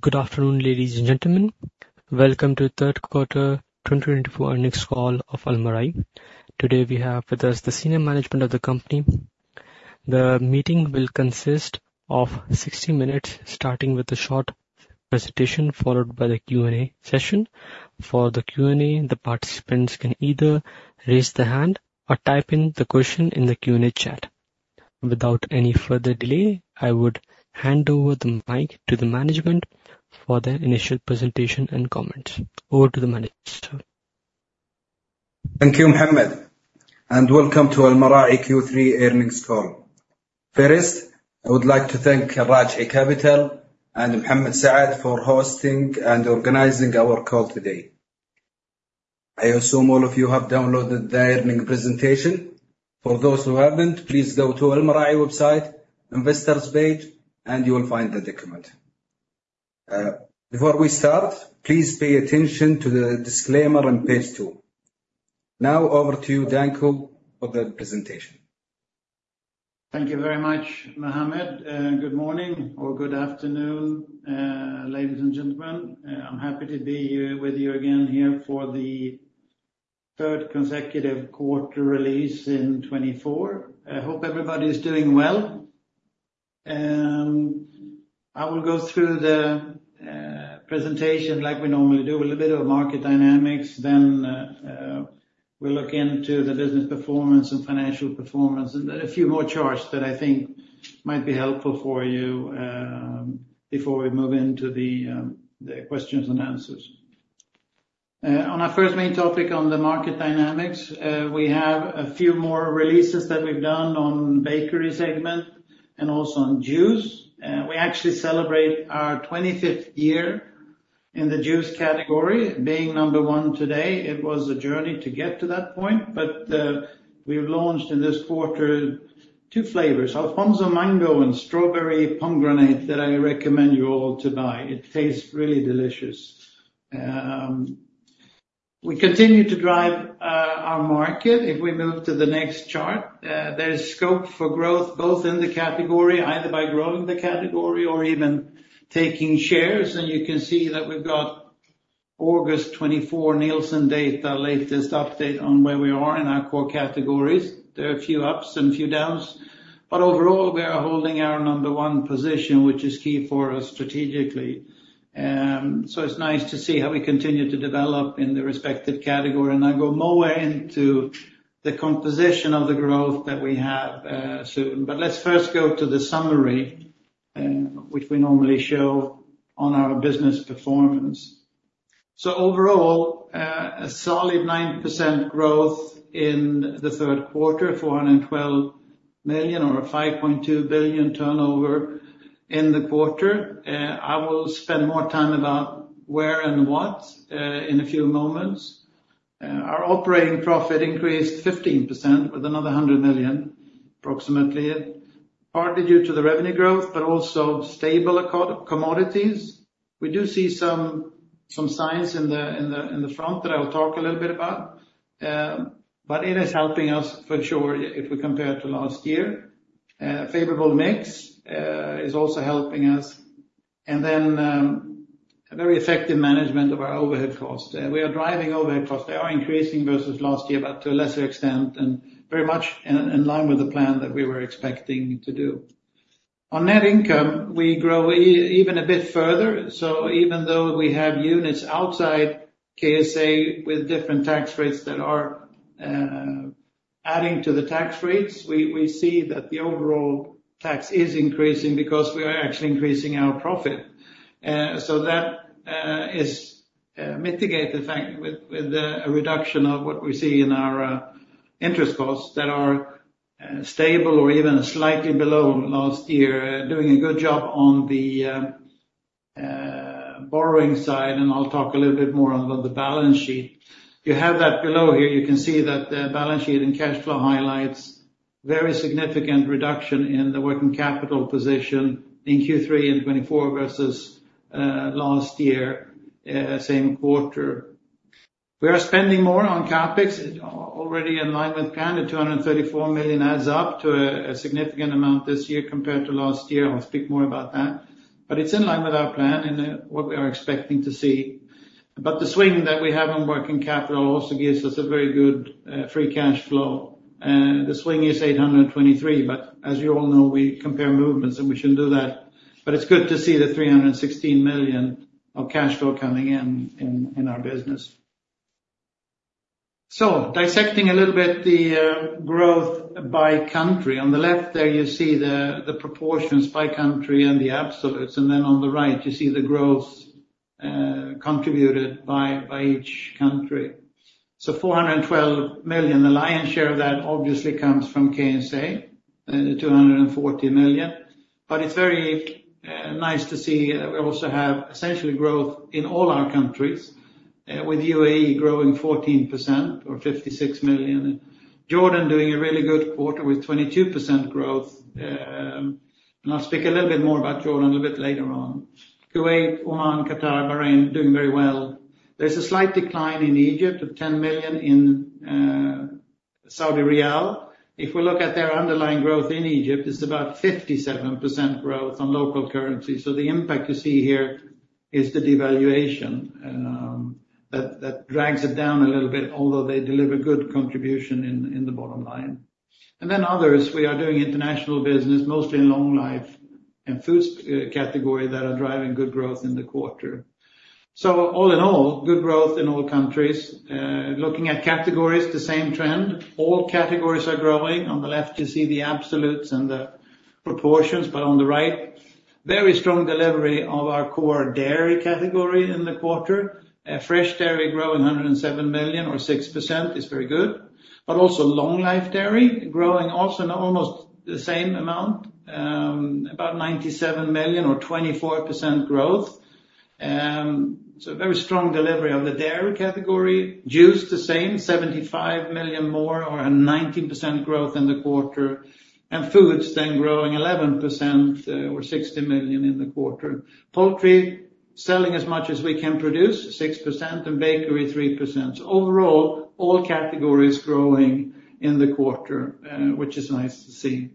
Good afternoon, ladies and gentlemen. Welcome to third quarter twenty twenty-four earnings call of Almarai. Today, we have with us the senior management of the company. The meeting will consist of sixty minutes, starting with a short presentation, followed by the Q&A session. For the Q&A, the participants can either raise their hand or type in the question in the Q&A chat. Without any further delay, I would hand over the mic to the management for their initial presentation and comments. Over to the manager, sir. Thank you, Mohammed, and welcome to Almarai Q3 earnings call. First, I would like to thank Rajhi Capital and Mohammed Saad for hosting and organizing our call today. I assume all of you have downloaded the earnings presentation. For those who haven't, please go to Almarai website, investors page, and you will find the document. Before we start, please pay attention to the disclaimer on page two. Now over to you, Danko, for the presentation. Thank you very much, Mohammed, good morning or good afternoon, ladies and gentlemen. I'm happy to be here with you again here for the third consecutive quarter release in 2024. I hope everybody is doing well. I will go through the presentation like we normally do, a little bit of market dynamics, then we'll look into the business performance and financial performance, and a few more charts that I think might be helpful for you, before we move into the questions and answers. On our first main topic on the market dynamics, we have a few more releases that we've done on bakery segment and also on juice. We actually celebrate our twenty-fifth year in the juice category, being number one today. It was a journey to get to that point, but we've launched in this quarter two flavors, Alphonso Mango and Strawberry Pomegranate, that I recommend you all to buy. It tastes really delicious. We continue to drive our market. If we move to the next chart, there is scope for growth, both in the category, either by growing the category or even taking shares, and you can see that we've got August 2024 Nielsen data, latest update on where we are in our core categories. There are a few ups and a few downs, but overall, we are holding our number one position, which is key for us strategically. So it's nice to see how we continue to develop in the respective category, and I'll go more into the composition of the growth that we have soon. Let's first go to the summary, which we normally show on our business performance. So overall, a solid 9% growth in the third quarter, 412 million or a 5.2 billion turnover in the quarter. I will spend more time about where and what in a few moments. Our operating profit increased 15% with another 100 million, approximately, partly due to the revenue growth, but also stable core commodities. We do see some signs in the front that I will talk a little bit about, but it is helping us for sure if we compare to last year. Favorable mix is also helping us, and then a very effective management of our overhead costs. We are driving overhead costs. They are increasing versus last year, but to a lesser extent, and very much in line with the plan that we were expecting to do. On net income, we grow even a bit further. So even though we have units outside KSA with different tax rates that are adding to the tax rates, we see that the overall tax is increasing because we are actually increasing our profit. So that is mitigate the fact with a reduction of what we see in our interest costs that are stable or even slightly below last year. Doing a good job on the borrowing side, and I'll talk a little bit more on the balance sheet. You have that below here. You can see that the balance sheet and cash flow highlights very significant reduction in the working capital position in Q3 in 2024 versus last year same quarter. We are spending more on CapEx, already in line with plan. The 234 million adds up to a significant amount this year compared to last year. I'll speak more about that, but it's in line with our plan and what we are expecting to see. But the swing that we have on working capital also gives us a very good free cash flow, and the swing is 823 million, but as you all know, we compare movements, and we shouldn't do that. But it's good to see the 316 million of cash flow coming in our business. So dissecting a little bit the growth by country. On the left there, you see the proportions by country and the absolutes, and then on the right, you see the growth contributed by each country. So 412 million, the lion's share of that obviously comes from KSA, 240 million. But it's very nice to see we also have essentially growth in all our countries, with UAE growing 14% or 56 million. Jordan doing a really good quarter with 22% growth, and I'll speak a little bit more about Jordan a little bit later on. Kuwait, Oman, Qatar, Bahrain, doing very well. There's a slight decline in Egypt of 10 million. If we look at their underlying growth in Egypt, it's about 57% growth on local currency. So the impact you see here is the devaluation that drags it down a little bit, although they deliver good contribution in the bottom line. And then others, we are doing international business, mostly in long life and foods category that are driving good growth in the quarter. So all in all, good growth in all countries. Looking at categories, the same trend, all categories are growing. On the left, you see the absolutes and the proportions, but on the right, very strong delivery of our core dairy category in the quarter. Fresh dairy growing 107 million or 6% is very good, but also long life dairy, growing also in almost the same amount, about 97 million or 24% growth. So very strong delivery on the dairy category. Juice, the same, 75 million more or a 19% growth in the quarter, and foods then growing 11%, or 60 million in the quarter. Poultry, selling as much as we can produce, 6%, and bakery, 3%. So overall, all categories growing in the quarter, which is nice to see.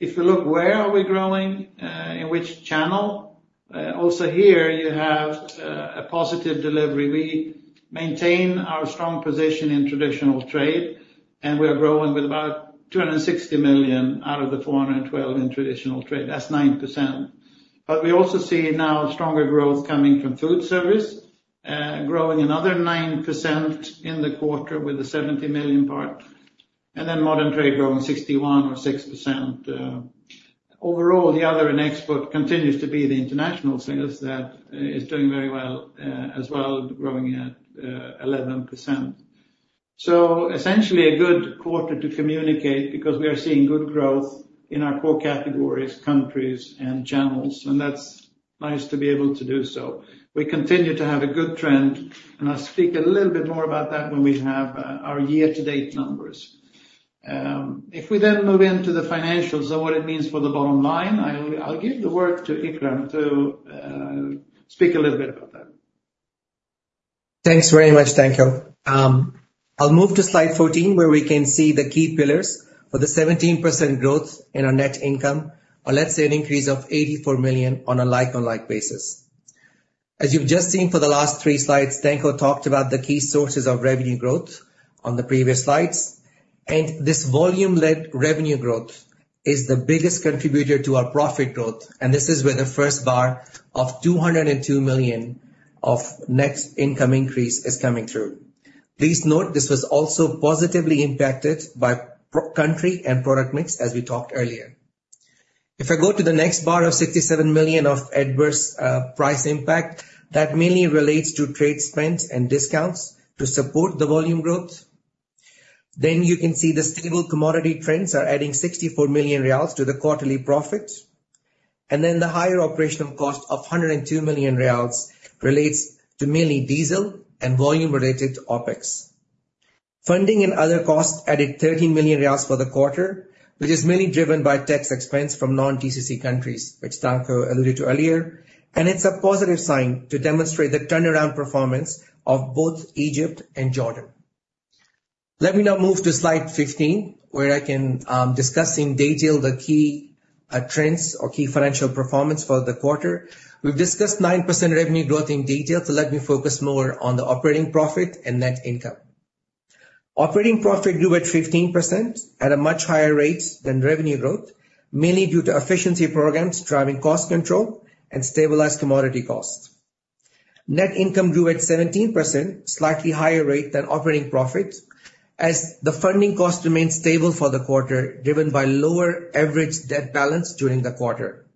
If you look, where are we growing in which channel? Also here, you have a positive delivery. We maintain our strong position in traditional trade, and we are growing with about 260 million out of the 412 in traditional trade. That's 9%. But we also see now stronger growth coming from food service, growing another 9% in the quarter with the 70 million part, and then modern trade growing 6.1 or 6%,. Overall, the other and export continues to be the international sales that is doing very well as well, growing at 11%. So essentially, a good quarter to communicate because we are seeing good growth in our core categories, countries, and channels, and that's nice to be able to do so. We continue to have a good trend, and I'll speak a little bit more about that when we have our year-to-date numbers. If we then move into the financials and what it means for the bottom line, I'll give the word to Ikram to speak a little bit about that. Thanks very much, Danko. I'll move to slide 14, where we can see the key pillars for the 17% growth in our net income, or let's say, an increase of 84 million on a like-for-like basis. As you've just seen for the last three slides, Danko talked about the key sources of revenue growth on the previous slides, and this volume-led revenue growth is the biggest contributor to our profit growth, and this is where the first bar of 202 million of net income increase is coming through. Please note, this was also positively impacted by product and country mix, as we talked earlier. If I go to the next bar of 67 million of adverse price impact, that mainly relates to trade spend and discounts to support the volume growth. Then you can see the stable commodity trends are adding 64 million riyals to the quarterly profit, and then the higher operational cost of 102 million riyals relates to mainly diesel and volume-related OpEx. Funding and other costs added 13 million riyals for the quarter, which is mainly driven by tax expense from non-TCC countries, which Danko alluded to earlier, and it's a positive sign to demonstrate the turnaround performance of both Egypt and Jordan. Let me now move to slide 15, where I can discuss in detail the key trends or key financial performance for the quarter. We've discussed 9% revenue growth in detail, so let me focus more on the operating profit and net income. Operating profit grew at 15% at a much higher rate than revenue growth, mainly due to efficiency programs driving cost control and stabilized commodity costs. Net income grew at 17%, slightly higher rate than operating profit, as the funding cost remained stable for the quarter, driven by lower average debt balance during the quarter.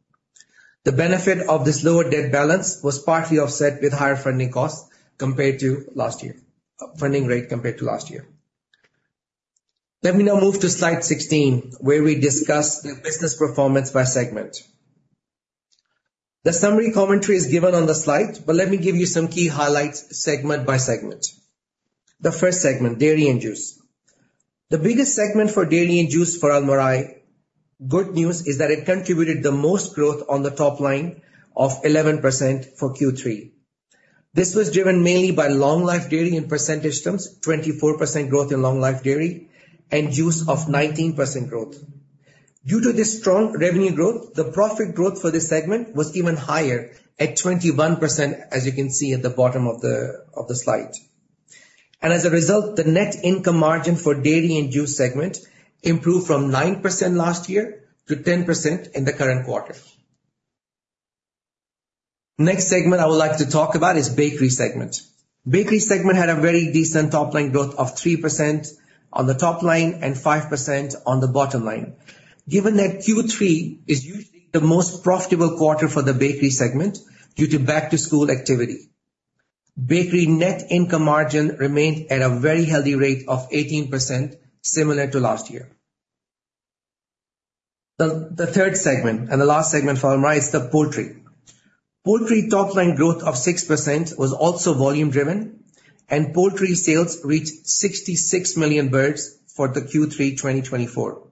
The benefit of this lower debt balance was partly offset with higher funding costs compared to last year, funding rate compared to last year. Let me now move to slide 16, where we discuss the business performance by segment. The summary commentary is given on the slide, but let me give you some key highlights, segment by segment. The first segment, dairy and juice. The biggest segment for dairy and juice for Almarai, good news, is that it contributed the most growth on the top line of 11% for Q3. This was driven mainly by long life dairy in percentage terms, 24% growth in long life dairy, and juice of 19% growth. Due to this strong revenue growth, the profit growth for this segment was even higher at 21%, as you can see at the bottom of the slide. And as a result, the net income margin for dairy and juice segment improved from 9% last year to 10% in the current quarter. Next segment I would like to talk about is bakery segment. Bakery segment had a very decent top line growth of 3% on the top line and 5% on the bottom line. Given that Q3 is usually the most profitable quarter for the bakery segment, due to back-to-school activity, bakery net income margin remained at a very healthy rate of 18%, similar to last year. The third segment and the last segment for Almarai is the poultry. Poultry top line growth of 6% was also volume driven, and poultry sales reached 66 million birds for the Q3 2024.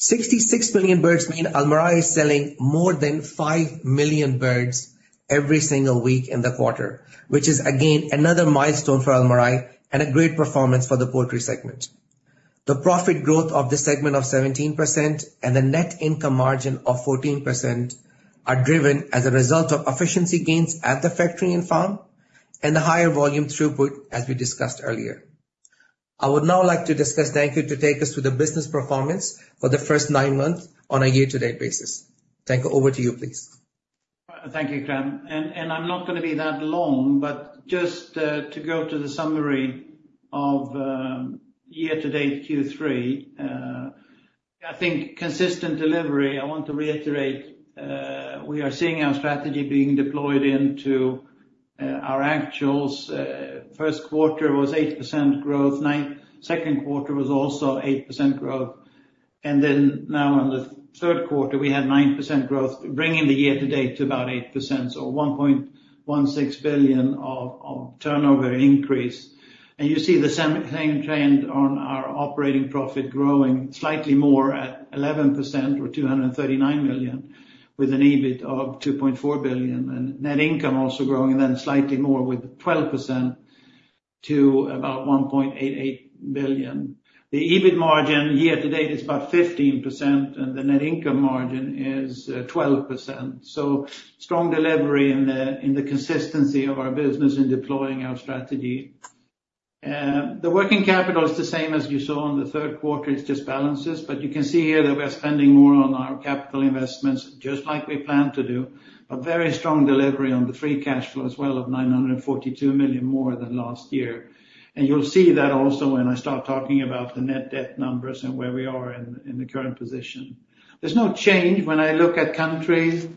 Sixty-six million birds mean Almarai is selling more than 5 million birds every single week in the quarter, which is, again, another milestone for Almarai and a great performance for the poultry segment. The profit growth of this segment of 17% and the net income margin of 14% are driven as a result of efficiency gains at the factory and farm, and the higher volume throughput as we discussed earlier. I would now like to discuss Danko to take us through the business performance for the first nine months on a year-to-date basis. Danko, over to you, please. Thank you, Ikram, and I'm not gonna be that long, but to go to the summary of year-to-date Q3. I think consistent delivery. I want to reiterate we are seeing our strategy being deployed into our actuals. First quarter was 8% growth. Second quarter was also 8% growth. And then now on the third quarter, we had 9% growth, bringing the year-to-date to about 8%, so 1.16 billion of turnover increase. And you see the same thing trend on our operating profit growing slightly more at 11% or 239 million, with an EBIT of 2.4 billion, and net income also growing and then slightly more with 12% to about 1.8 billion. The EBIT margin year-to-date is about 15%, and the net income margin is 12%, so strong delivery in the consistency of our business in deploying our strategy. The working capital is the same as you saw on the third quarter. It's just balances, but you can see here that we're spending more on our capital investments, just like we planned to do. A very strong delivery on the free cash flow as well of 942 million, more than last year, and you'll see that also when I start talking about the net debt numbers and where we are in the current position. There's no change when I look at countries,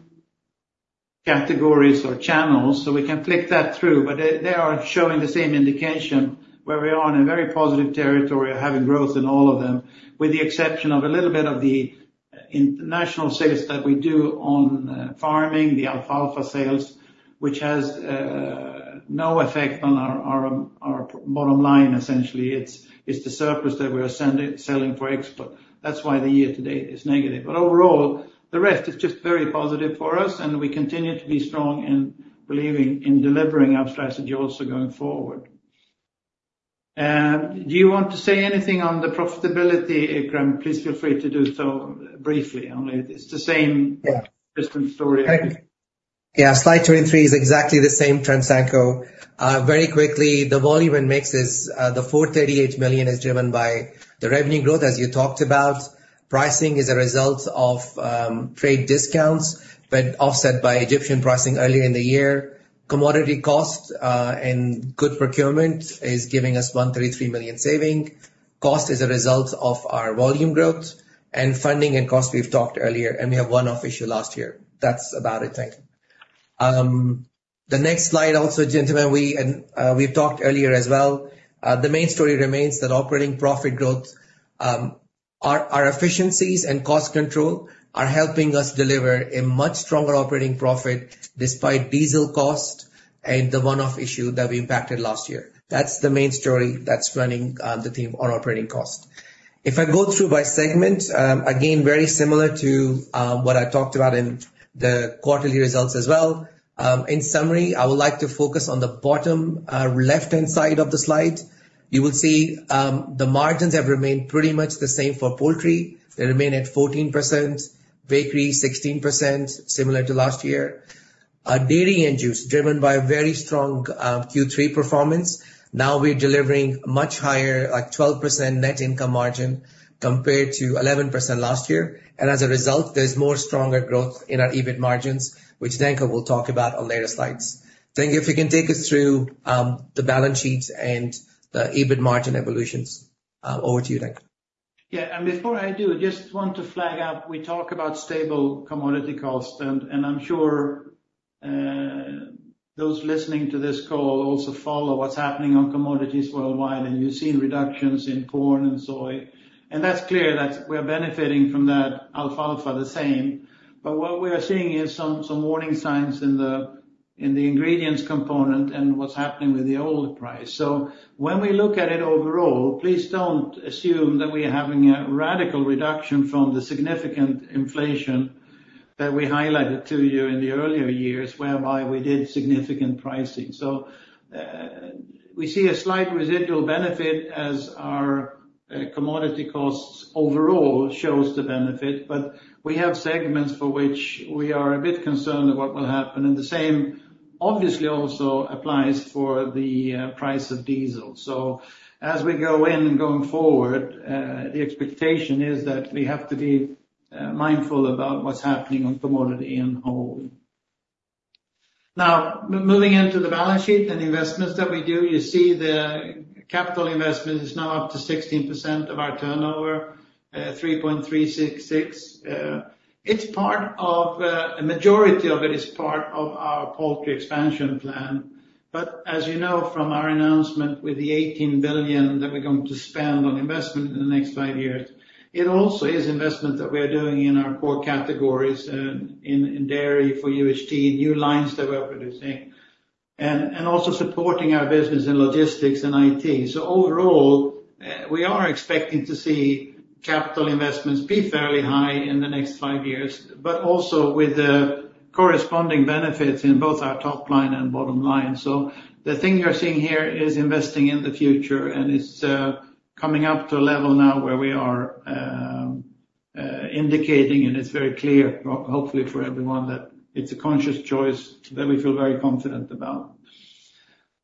categories, or channels, so we can flick that through, but they are showing the same indication where we are in a very positive territory of having growth in all of them, with the exception of a little bit of the international sales that we do on farming, the alfalfa sales, which has no effect on our bottom line, essentially. It's the surplus that we're selling for export. That's why the year-to-date is negative. But overall, the rest is just very positive for us, and we continue to be strong in believing in delivering our strategy also going forward. Do you want to say anything on the profitability, Ikram? Please feel free to do so briefly. Only it's the same- Yeah. Same story. Yeah. Slide 23 is exactly the same trends, Danko. Very quickly, the volume and mix is the 438 million is driven by the revenue growth, as you talked about. Pricing is a result of trade discounts, but offset by Egyptian pricing early in the year. Commodity costs and good procurement is giving us 133 million saving. Cost is a result of our volume growth, and funding and cost, we've talked earlier, and we have one-off issue last year. That's about it, Danko. The next slide, also, gentlemen, we've talked earlier as well. The main story remains that operating profit growth, our efficiencies and cost control are helping us deliver a much stronger operating profit despite diesel cost and the one-off issue that we impacted last year. That's the main story that's running, the theme on operating cost. If I go through by segment, again, very similar to what I talked about in the quarterly results as well. In summary, I would like to focus on the bottom, left-hand side of the slide. You will see the margins have remained pretty much the same for poultry. They remain at 14%, bakery, 16%, similar to last year. Our dairy and juice, driven by very strong Q3 performance, now we're delivering much higher, like 12% net income margin compared to 11% last year. And as a result, there's more stronger growth in our EBIT margins, which Danko will talk about on later slides. Danko, if you can take us through the balance sheets and the EBIT margin evolutions. Over to you, Danko. Yeah, and before I do, just want to flag up, we talk about stable commodity costs, and I'm sure those listening to this call also follow what's happening on commodities worldwide, and you've seen reductions in corn and soy. And that's clear that we're benefiting from that alfalfa the same. But what we are seeing is some warning signs in the ingredients component and what's happening with the oil price. So when we look at it overall, please don't assume that we are having a radical reduction from the significant inflation that we highlighted to you in the earlier years, whereby we did significant pricing. So, we see a slight residual benefit as our commodity costs overall shows the benefit, but we have segments for which we are a bit concerned of what will happen, and the same obviously also applies for the price of diesel. So as we go in and going forward, the expectation is that we have to be mindful about what's happening on commodity and fuel. Now, moving into the balance sheet and investments that we do, you see the capital investment is now up to 16% of our turnover, 3.366. It's part of a majority of it is part of our poultry expansion plan. But as you know from our announcement with the 18 billion that we're going to spend on investment in the next five years, it also is investment that we are doing in our core categories in dairy for UHT new lines that we are producing and also supporting our business in logistics and IT. So overall we are expecting to see capital investments be fairly high in the next five years, but also with the corresponding benefits in both our top line and bottom line. So the thing you're seeing here is investing in the future, and it's coming up to a level now where we are indicating, and it's very clear, hopefully, for everyone that it's a conscious choice that we feel very confident about.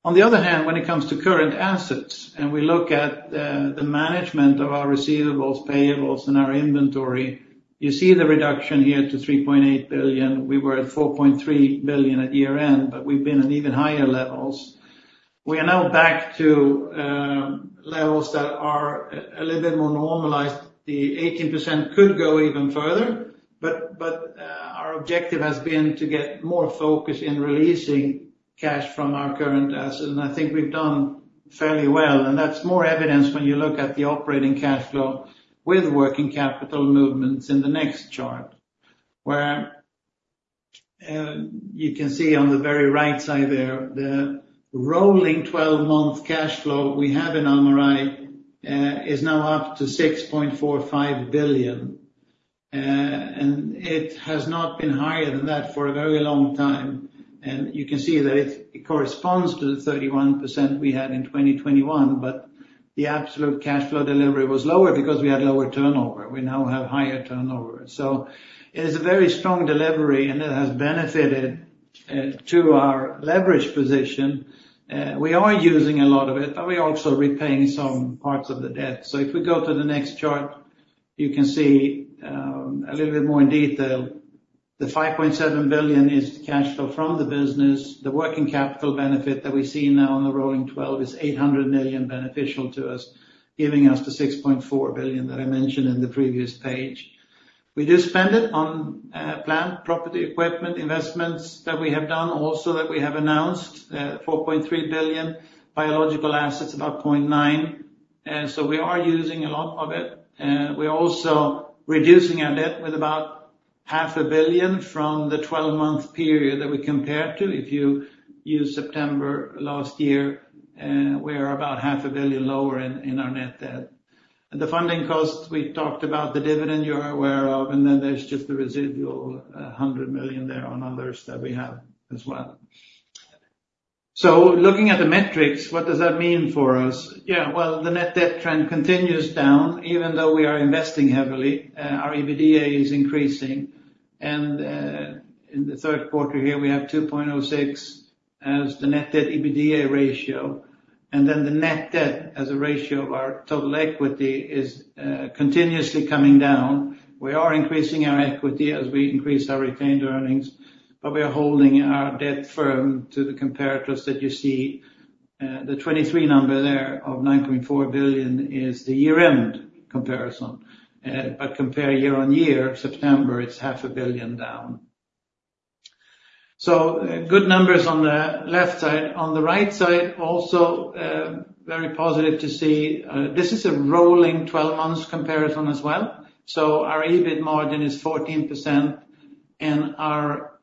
On the other hand, when it comes to current assets, and we look at the management of our receivables, payables, and our inventory, you see the reduction here to 3.8 billion. We were at 4.3 billion at year-end, but we've been at even higher levels. We are now back to levels that are a little bit more normalized. The 18% could go even further, but our objective has been to get more focus in releasing cash from our current assets, and I think we've done fairly well. And that's more evidence when you look at the operating cash flow with working capital movements in the next chart, where you can see on the very right side there, the rolling twelve-month cash flow we have in Almarai is now up to 6.45 billion. It has not been higher than that for a very long time. And you can see that it corresponds to the 31% we had in 2021, but the absolute cash flow delivery was lower because we had lower turnover. We now have higher turnover. So it's a very strong delivery, and it has benefited to our leverage position. We are using a lot of it, but we're also repaying some parts of the debt. So if we go to the next chart, you can see a little bit more in detail. The 5.7 billion is the cash flow from the business. The working capital benefit that we see now on the rolling twelve is 800 million beneficial to us, giving us the 6.4 billion that I mentioned in the previous page. We do spend it on plant, property, equipment, investments that we have done, also that we have announced, 4.3 billion, biological assets, about 0.9 billion. So we are using a lot of it. We're also reducing our debt with about 0.5 billion from the twelve-month period that we compare it to. If you use September last year, we are about 0.5 billion lower in our net debt. The funding costs, we talked about the dividend you're aware of, and then there's just the residual, 100 million there on others that we have as well. So looking at the metrics, what does that mean for us? Yeah, well, the net debt trend continues down, even though we are investing heavily, our EBITDA is increasing. In the third quarter here, we have 2.06 as the net debt EBITDA ratio, and then the net debt as a ratio of our total equity is continuously coming down. We are increasing our equity as we increase our retained earnings, but we are holding our debt firm to the comparators that you see. The 2023 number there of 9.4 billion is the year-end comparison, but compare year on year, September, it's 500 million down, so good numbers on the left side. On the right side, also very positive to see, this is a rolling twelve months comparison as well, so our EBIT margin is 14%, and our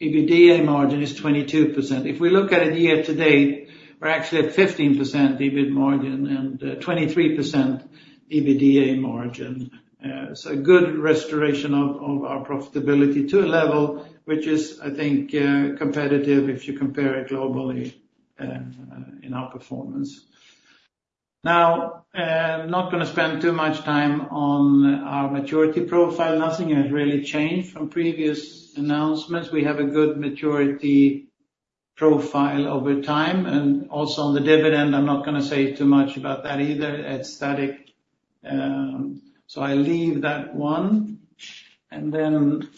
EBITDA margin is 22%. If we look at it year to date, we're actually at 15% EBIT margin and 23% EBITDA margin. So a good restoration of our profitability to a level which is, I think, competitive if you compare it globally, in our performance. Now, not gonna spend too much time on our maturity profile. Nothing has really changed from previous announcements. We have a good maturity profile over time, and also on the dividend, I'm not gonna say too much about that either, it's static. I leave that one. Then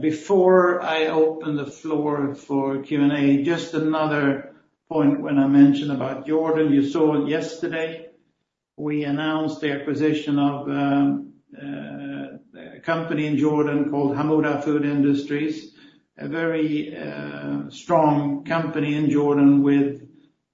before I open the floor for Q&A, just another point when I mentioned about Jordan. You saw yesterday, we announced the acquisition of a company in Jordan called Hammoudeh Food Industries, a very strong company in Jordan with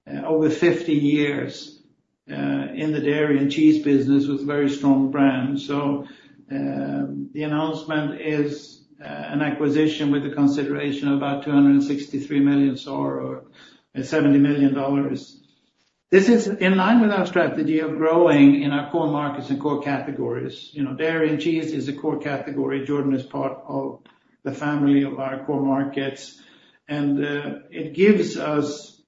over fifty years in the dairy and cheese business, with a very strong brand. The announcement is an acquisition with a consideration of about 263 million SAR, or $70 million. This is in line with our strategy of growing in our core markets and core categories. You know, dairy and cheese is a core category. Jordan is part of the family of our core markets, and it gives us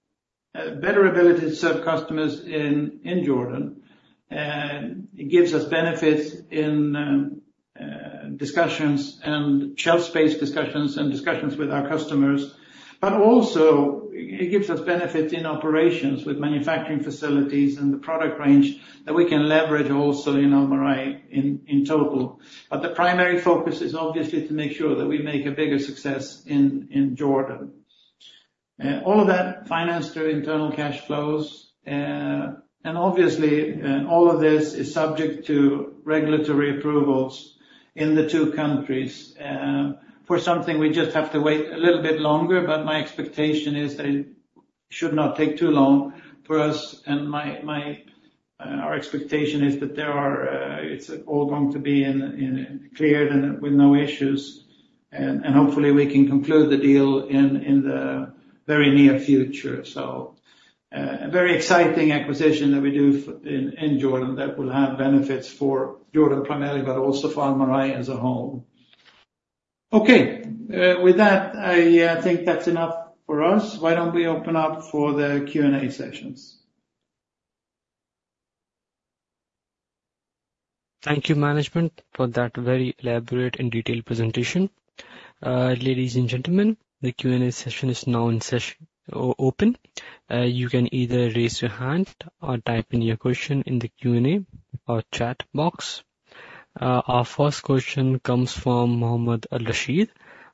a better ability to serve customers in Jordan. It gives us benefits in discussions and shelf space discussions and discussions with our customers, but also it gives us benefits in operations with manufacturing facilities and the product range that we can leverage also in Almarai in total. The primary focus is obviously to make sure that we make a bigger success in Jordan. All of that financed through internal cash flows, and obviously, all of this is subject to regulatory approvals in the two countries. For something, we just have to wait a little bit longer, but my expectation is that it should not take too long for us, and our expectation is that it's all going to be cleared and with no issues, and hopefully we can conclude the deal in the very near future. A very exciting acquisition that we do in Jordan, that will have benefits for Jordan primarily, but also for Almarai as a whole. With that, I think that's enough for us. Why don't we open up for the Q&A sessions? Thank you, management, for that very elaborate and detailed presentation. Ladies and gentlemen, the Q&A session is now open. You can either raise your hand or type in your question in the Q&A or chat box. Our first question comes from Mohammed Al-Rasheed.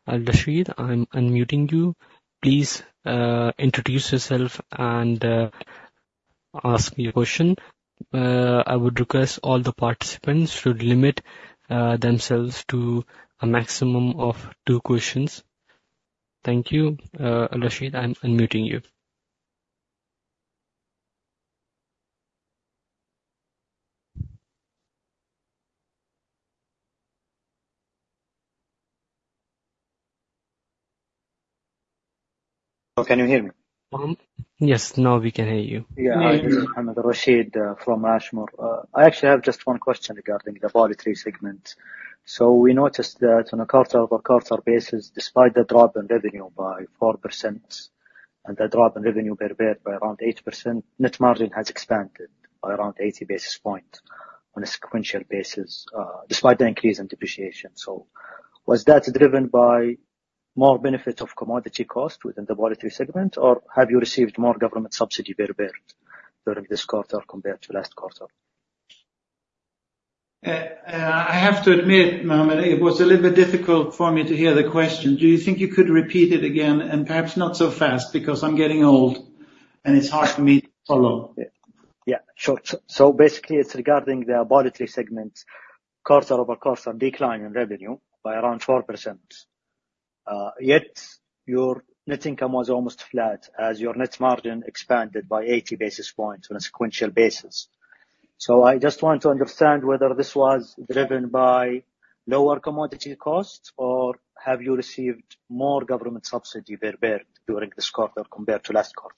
Al-Rasheed, I'm unmuting you. Please introduce yourself and ask your question. I would request all the participants should limit themselves to a maximum of two questions. Thank you. Al-Rasheed, I'm unmuting you. Oh, can you hear me? Yes, now we can hear you. Yeah. Yeah, we hear you. Hi, this is Mohammed Al-Rasheed from Ashmore. I actually have just one question regarding the poultry segment. So we noticed that on a quarter over quarter basis, despite the drop in revenue by 4% and the drop in revenue per bird by around 8%, net margin has expanded by around eighty basis points on a sequential basis, despite the increase in depreciation. So was that driven by more benefits of commodity cost within the poultry segment, or have you received more government subsidy per bird during this quarter compared to last quarter? I have to admit, Mohammed, it was a little bit difficult for me to hear the question. Do you think you could repeat it again, and perhaps not so fast, because I'm getting old and it's hard for me to follow? Yeah, sure. So basically, it's regarding the poultry segment, quarter over quarter, decline in revenue by around 4%. Yet, your net income was almost flat, as your net margin expanded by eighty basis points on a sequential basis. So I just want to understand whether this was driven by lower commodity costs, or have you received more government subsidy per bird during this quarter compared to last quarter?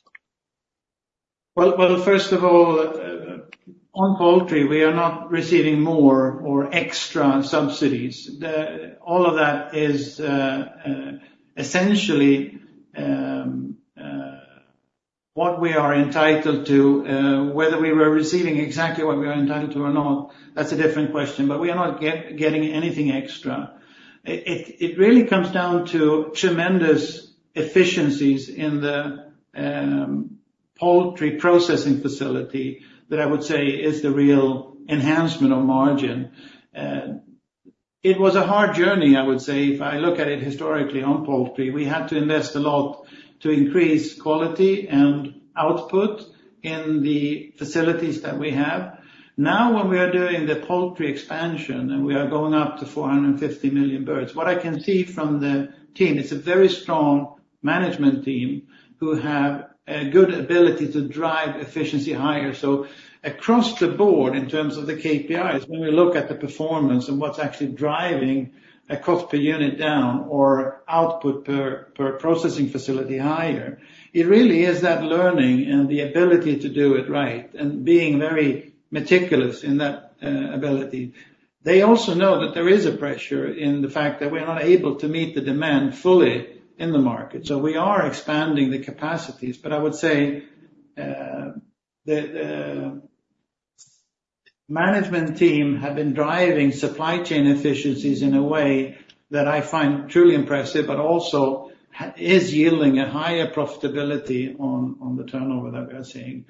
Well, first of all, on poultry, we are not receiving more or extra subsidies. All of that is essentially what we are entitled to, whether we were receiving exactly what we are entitled to or not, that's a different question. But we are not getting anything extra. It really comes down to tremendous efficiencies in the poultry processing facility, that I would say is the real enhancement of margin. It was a hard journey, I would say. If I look at it historically, on poultry, we had to invest a lot to increase quality and output in the facilities that we have. Now, when we are doing the poultry expansion, and we are going up to four hundred and fifty million birds, what I can see from the team, it's a very strong management team, who have a good ability to drive efficiency higher. So across the board, in terms of the KPIs, when we look at the performance and what's actually driving a cost per unit down or output per processing facility higher, it really is that learning and the ability to do it right and being very meticulous in that ability. They also know that there is a pressure in the fact that we're not able to meet the demand fully in the market, so we are expanding the capacities. But I would say, the management team have been driving supply chain efficiencies in a way that I find truly impressive, but also is yielding a higher profitability on the turnover that we are seeing.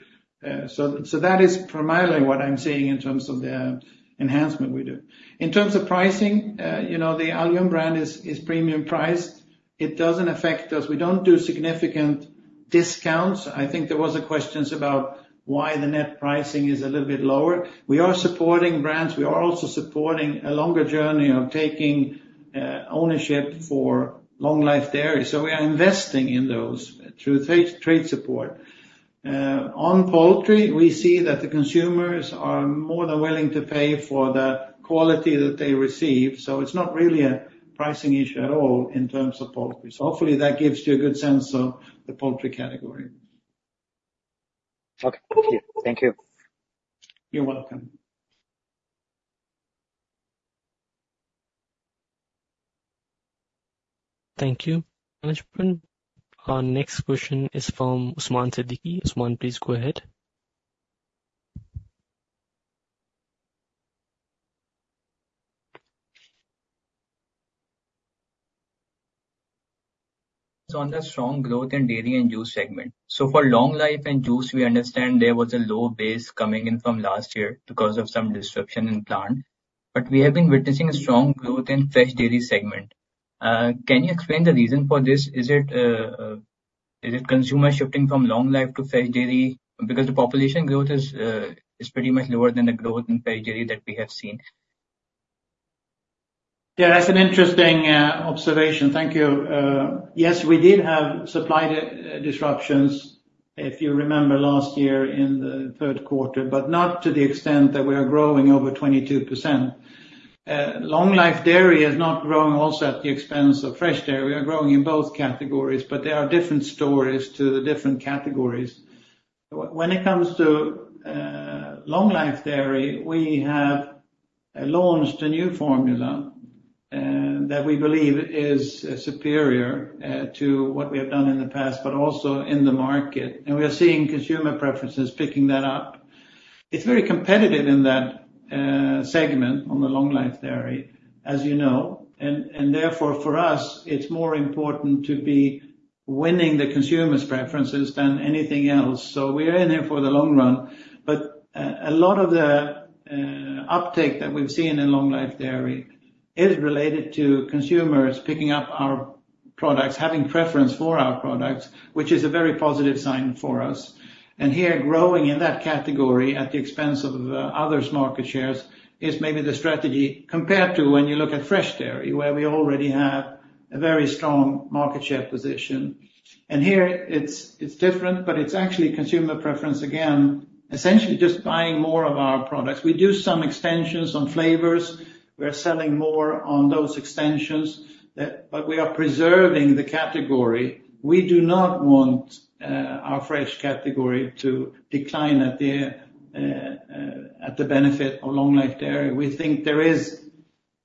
So that is primarily what I'm seeing in terms of the enhancement we do. In terms of pricing, you know, the Alyoum brand is premium priced. It doesn't affect us. We don't do significant discounts. I think there was a question about why the net pricing is a little bit lower. We are supporting brands. We are also supporting a longer journey of taking ownership for long life dairy. So we are investing in those through trade support. On poultry, we see that the consumers are more than willing to pay for the quality that they receive, so it's not really a pricing issue at all in terms of poultry, so hopefully that gives you a good sense of the poultry category. Okay, thank you. Thank you. You're welcome. Thank you. Management, our next question is from Usman Siddiqui. Usman, please go ahead. So on the strong growth in dairy and juice segment. So for long life and juice, we understand there was a low base coming in from last year because of some disruption in plant, but we have been witnessing a strong growth in fresh dairy segment. Can you explain the reason for this? Is it consumer shifting from long life to fresh dairy? Because the population growth is pretty much lower than the growth in fresh dairy that we have seen. Yeah, that's an interesting observation. Thank you. Yes, we did have supply disruptions, if you remember last year in the third quarter, but not to the extent that we are growing over 22%. Long life dairy is not growing also at the expense of fresh dairy. We are growing in both categories, but there are different stories to the different categories. When it comes to long life dairy, we have launched a new formula that we believe is superior to what we have done in the past, but also in the market. And we are seeing consumer preferences picking that up. It's very competitive in that segment on the long life dairy, as you know, and therefore, for us, it's more important to be winning the consumers' preferences than anything else. So we are in there for the long run. But, a lot of the uptake that we've seen in long life dairy is related to consumers picking up our products, having preference for our products, which is a very positive sign for us. And here, growing in that category at the expense of others' market shares is maybe the strategy, compared to when you look at fresh dairy, where we already have a very strong market share position. And here, it's different, but it's actually consumer preference, again, essentially just buying more of our products. We do some extensions on flavors. We're selling more on those extensions, but we are preserving the category. We do not want our fresh category to decline at the benefit of long life dairy. We think there is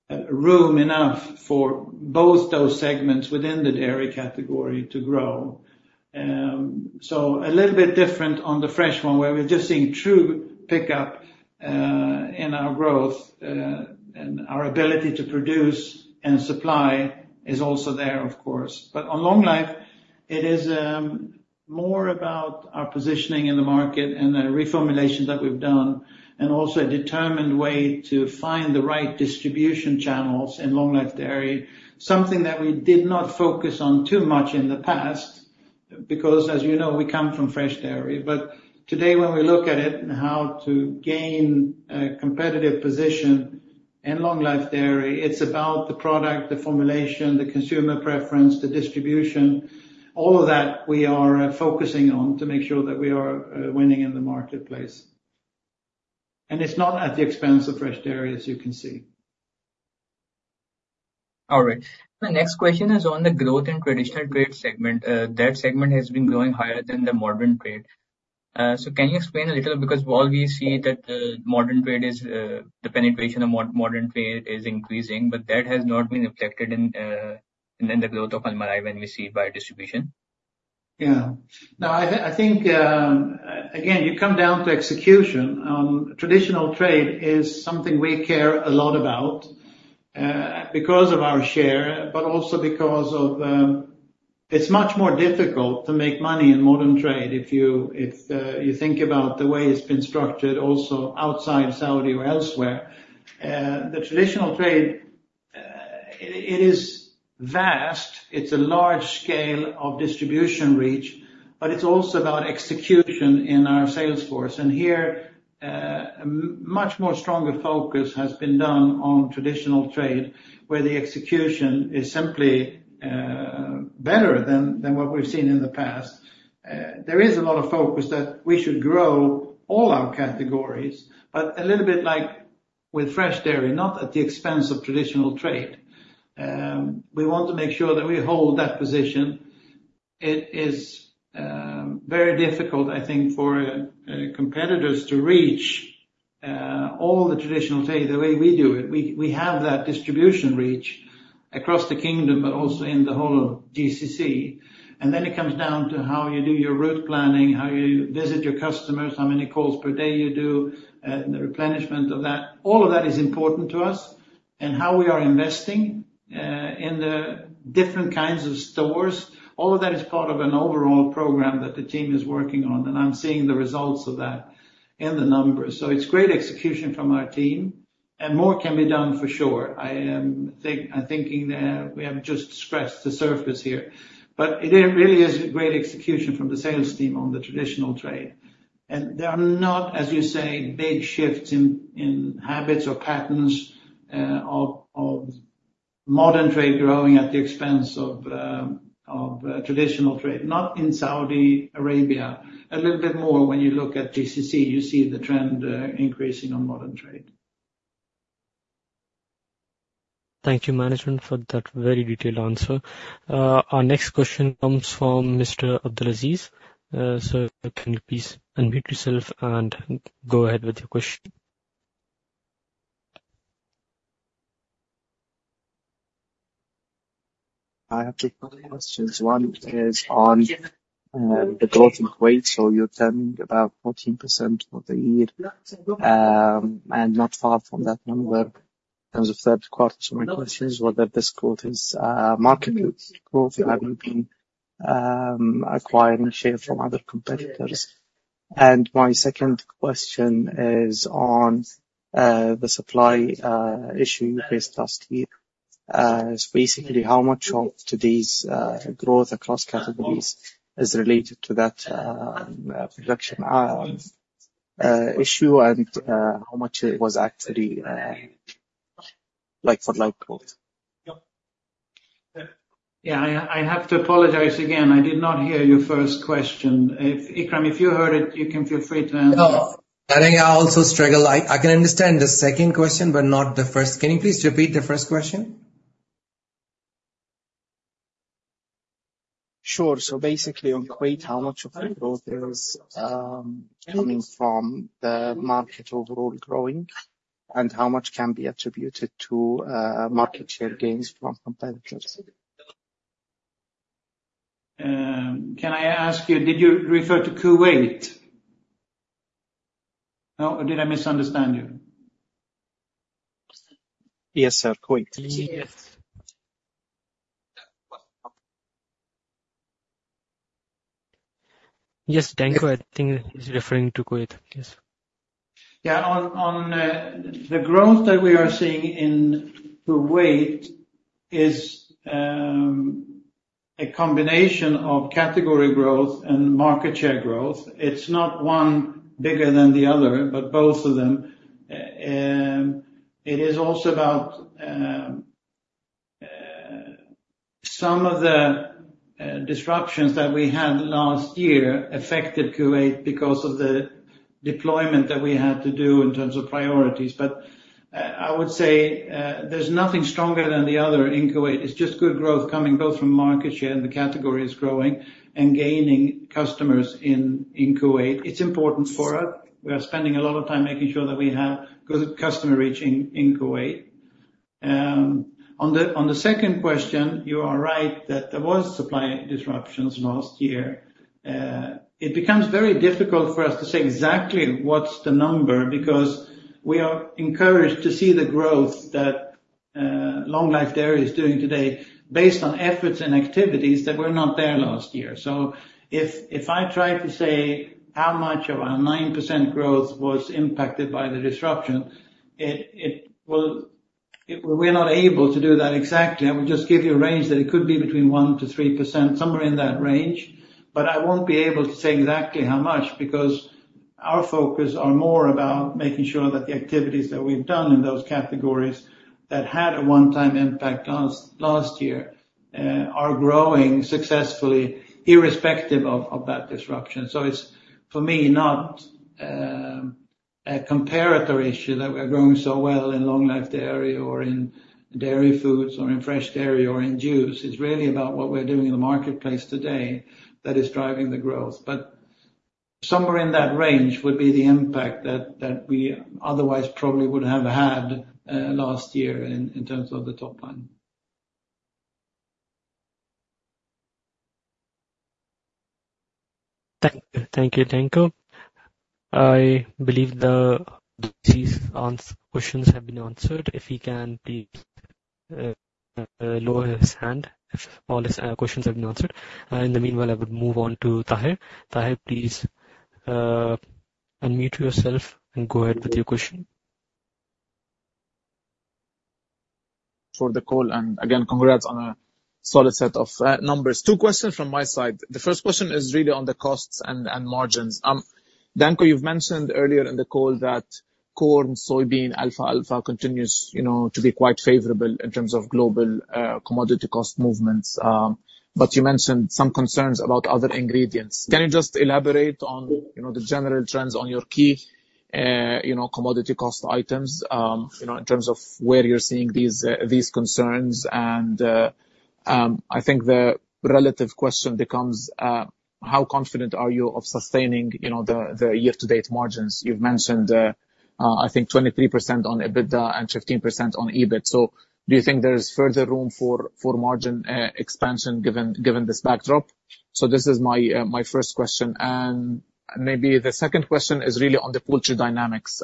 room enough for both those segments within the dairy category to grow. So a little bit different on the fresh one, where we're just seeing true pickup in our growth, and our ability to produce and supply is also there, of course. But on long life, it is more about our positioning in the market and the reformulation that we've done, and also a determined way to find the right distribution channels in long life dairy, something that we did not focus on too much in the past, because, as you know, we come from fresh dairy. But today, when we look at it and how to gain a competitive position in long life dairy, it's about the product, the formulation, the consumer preference, the distribution, all of that we are focusing on to make sure that we are winning in the marketplace. And it's not at the expense of fresh dairy, as you can see. All right. My next question is on the growth in traditional trade segment. That segment has been growing higher than the modern trade. So can you explain a little? Because while we see that the modern trade is, the penetration of modern trade is increasing, but that has not been reflected in, in the growth of Almarai when we see by distribution. Yeah. No, I think, again, you come down to execution. Traditional trade is something we care a lot about, because of our share, but also because of. It's much more difficult to make money in modern trade if you think about the way it's been structured, also outside Saudi or elsewhere. The traditional trade, it is vast. It's a large scale of distribution reach, but it's also about execution in our sales force. And here, much more stronger focus has been done on traditional trade, where the execution is simply better than what we've seen in the past. There is a lot of focus that we should grow all our categories, but a little bit like with fresh dairy, not at the expense of traditional trade. We want to make sure that we hold that position. It is very difficult, I think, for competitors to reach all the traditional trade the way we do it. We have that distribution reach across the kingdom, but also in the whole of GCC, and then it comes down to how you do your route planning, how you visit your customers, how many calls per day you do, the replenishment of that. All of that is important to us and how we are investing in the different kinds of stores. All of that is part of an overall program that the team is working on, and I'm seeing the results of that in the numbers, so it's great execution from our team, and more can be done for sure. I'm thinking we have just scratched the surface here. But it really is great execution from the sales team on the traditional trade. And there are not, as you say, big shifts in habits or patterns of modern trade growing at the expense of traditional trade, not in Saudi Arabia. A little bit more when you look at GCC, you see the trend increasing on modern trade. Thank you, management, for that very detailed answer. Our next question comes from Mr. Abdulaziz. Sir, can you please unmute yourself and go ahead with your question? I have two quick questions. One is on the growth in Kuwait. So you're telling about 14% for the year, and not far from that number in the third quarter. So my question is whether this growth is market growth, acquiring share from other competitors? And my second question is on the supply issue faced last year. So basically, how much of today's growth across categories is related to that production issue?... issue and, how much it was actually, like for like growth? Yep. Yeah, I have to apologize again. I did not hear your first question. If Ikram, if you heard it, you can feel free to answer. No, I think I also struggle. I can understand the second question, but not the first. Can you please repeat the first question? Sure. So basically, on Kuwait, how much of the growth is coming from the market overall growing, and how much can be attributed to market share gains from competitors? Can I ask you, did you refer to Kuwait? No, or did I misunderstand you? Yes, sir, Kuwait. Yes. Yes, Danko, I think he's referring to Kuwait. Yes. Yeah, the growth that we are seeing in Kuwait is a combination of category growth and market share growth. It's not one bigger than the other, but both of them. It is also about some of the disruptions that we had last year affected Kuwait because of the deployment that we had to do in terms of priorities. But I would say there's nothing stronger than the other in Kuwait. It's just good growth coming both from market share, and the category is growing and gaining customers in Kuwait. It's important for us. We are spending a lot of time making sure that we have good customer reach in Kuwait. On the second question, you are right that there was supply disruptions last year. It becomes very difficult for us to say exactly what's the number, because we are encouraged to see the growth that long life dairy is doing today based on efforts and activities that were not there last year. So if I try to say how much of our 9% growth was impacted by the disruption, we're not able to do that exactly. I will just give you a range, that it could be between 1% to 3%, somewhere in that range. But I won't be able to say exactly how much, because our focus are more about making sure that the activities that we've done in those categories that had a one-time impact last year are growing successfully, irrespective of that disruption. So it's, for me, not a comparator issue that we're growing so well in long life dairy or in dairy foods or in fresh dairy or in juice. It's really about what we're doing in the marketplace today that is driving the growth. But somewhere in that range would be the impact that we otherwise probably would have had last year in terms of the top line. Thank you, Danko. I believe his questions have been answered. If he can please lower his hand, if all his questions have been answered. In the meanwhile, I would move on to Tahir. Tahir, please unmute yourself and go ahead with your question. For the call, and again, congrats on a solid set of numbers. Two questions from my side. The first question is really on the costs and margins. Danko, you've mentioned earlier in the call that corn, soybean, alfalfa continues, you know, to be quite favorable in terms of global commodity cost movements. But you mentioned some concerns about other ingredients. Can you just elaborate on, you know, the general trends on your key commodity cost items, you know, in terms of where you're seeing these concerns? And I think the relative question becomes how confident are you of sustaining, you know, the year-to-date margins? You've mentioned I think 23% on EBITDA and 15% on EBIT. So do you think there is further room for margin expansion, given this backdrop? This is my first question, and maybe the second question is really on the poultry dynamics.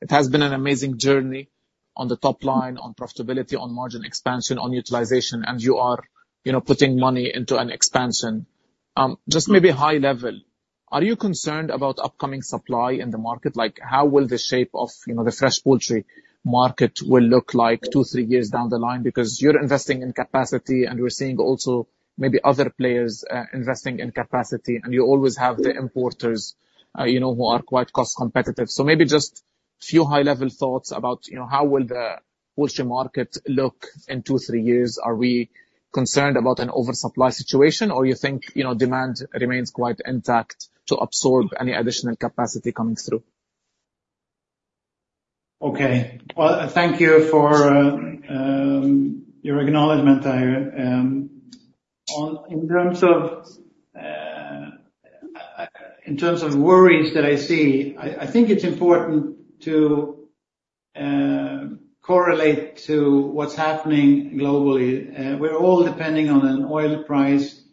It has been an amazing journey on the top line, on profitability, on margin expansion, on utilization, and you are, you know, putting money into an expansion. Just maybe high level, are you concerned about upcoming supply in the market? Like, how will the shape of, you know, the fresh poultry market will look like two, three years down the line? Because you're investing in capacity, and we're seeing also maybe other players investing in capacity, and you always have the importers, you know, who are quite cost competitive. So maybe just few high-level thoughts about, you know, how will the poultry market look in two, three years? Are we concerned about an oversupply situation, or you think, you know, demand remains quite intact to absorb any additional capacity coming through? Okay. Well, thank you for your acknowledgment, Tahir. In terms of worries that I see, I think it's important to correlate to what's happening globally. We're all depending on an oil price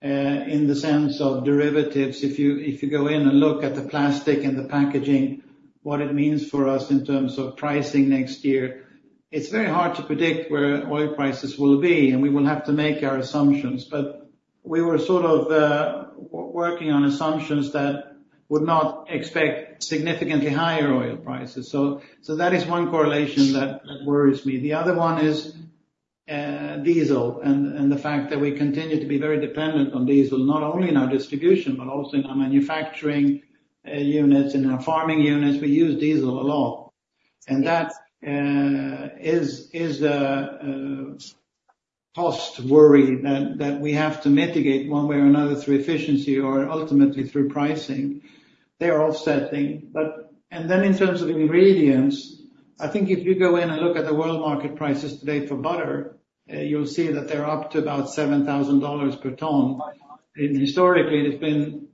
in the sense of derivatives. If you go in and look at the plastic and the packaging, what it means for us in terms of pricing next year, it's very hard to predict where oil prices will be, and we will have to make our assumptions. But we were sort of working on assumptions that would not expect significantly higher oil prices. So that is one correlation that worries me. The other one is-... Diesel and the fact that we continue to be very dependent on diesel, not only in our distribution, but also in our manufacturing units, in our farming units. We use diesel a lot, and that is a cost worry that we have to mitigate one way or another through efficiency or ultimately through pricing. They are offsetting. But and then in terms of ingredients, I think if you go in and look at the world market prices today for butter, you'll see that they're up to about $7,000 per ton. And historically, it's been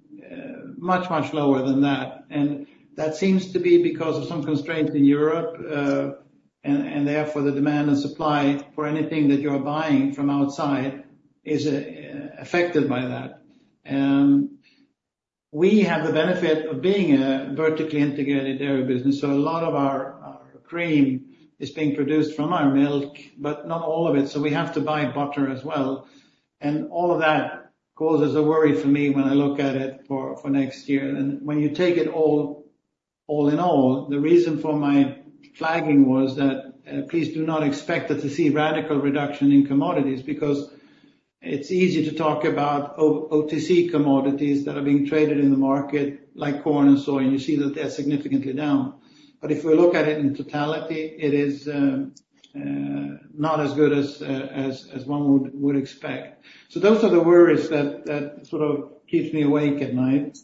much, much lower than that, and that seems to be because of some constraints in Europe and therefore, the demand and supply for anything that you're buying from outside is affected by that. We have the benefit of being a vertically integrated dairy business, so a lot of our cream is being produced from our milk, but not all of it, so we have to buy butter as well. And all of that causes a worry for me when I look at it for next year. And when you take it all in all, the reason for my flagging was that please do not expect us to see radical reduction in commodities, because it's easy to talk about OTC commodities that are being traded in the market, like corn and soy, and you see that they're significantly down. But if we look at it in totality, it is not as good as one would expect. So those are the worries that sort of keeps me awake at night.